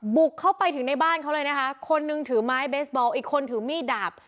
บุกเข้าไปถึงในบ้านเขาเลยนะคะคนนึงถือไม้เบสบอลอีกคนถือมีดดาบ